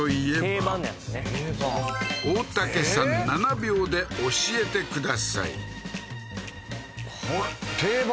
定番大竹さん７秒で教えてください定番？